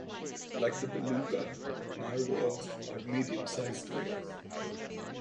Like the beluga, narwhals are medium-sized whales.